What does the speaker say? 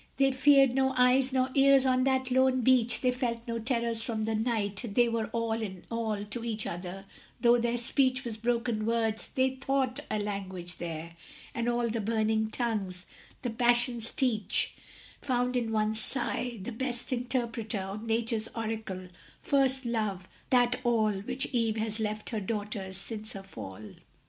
They feared no eyes nor ears on that lone beach, They felt no terrors from the night; they were All in all to each other: though their speech Was broken words, they thought a language there; And all the burning tongues the passions teach Found in one sigh the best interpreter Of nature's oracle, first love, that all Which Eve has left her daughters since her fall.